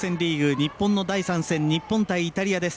日本の第３戦、日本対イタリア。